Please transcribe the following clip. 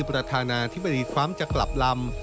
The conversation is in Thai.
ประธานาธิบดีทรัมป์จะกลับลำ